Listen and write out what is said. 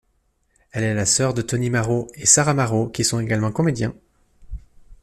Elle est la sœur de Tony Marot et Sarah Marot qui sont également comédiens.